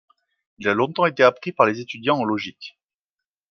Il a longtemps été appris par les étudiants en logique.